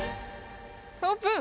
オープン！